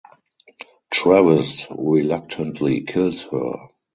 Travis reluctantly kills her.